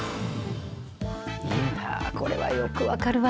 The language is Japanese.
いや、これはよく分かるわ。